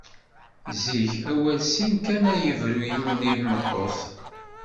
Zik, awal sin kan ad yebru yiwen i tmeṭṭut.